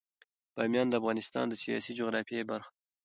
بامیان د افغانستان د سیاسي جغرافیه برخه ده.